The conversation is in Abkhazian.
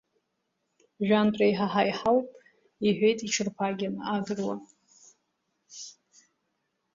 Жәантә реиҳа ҳаиҳауп, – иҳәеит иҽырԥагьаны агыруа.